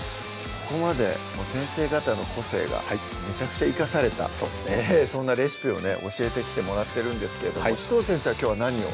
ここまで先生方の個性がめちゃくちゃ生かされたそんなレシピをね教えてきてもらってるんですけど紫藤先生はきょうは何を？